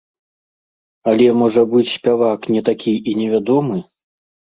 Але можа быць спявак не такі і невядомы?